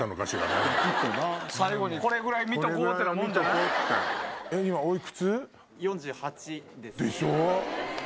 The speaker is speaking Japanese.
最後にこれぐらい見とこう！ってなもんじゃない。